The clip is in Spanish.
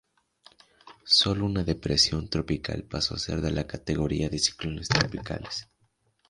Sólo una depresión tropical pasó a ser de la categoría de ciclones tropicales.